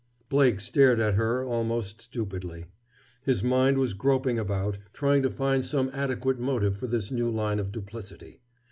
Blake stared at her, almost stupidly. His mind was groping about, trying to find some adequate motive for this new line of duplicity.